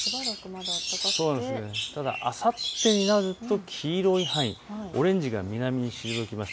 あさってになると黄色い範囲、オレンジが南に退きます。